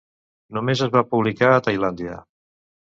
Només es va publicar a Tailàndia.